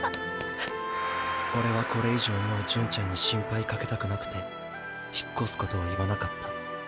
オレはこれ以上もう純ちゃんに心配かけたくなくて引っ越すことを言わなかった。